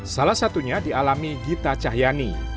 salah satunya dialami gita cahyani